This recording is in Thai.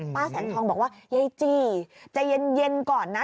แสงทองบอกว่ายายจี้ใจเย็นก่อนนะ